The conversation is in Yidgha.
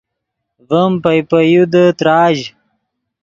ڤیم پئے پے یو دے تراژ